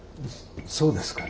そうですかね。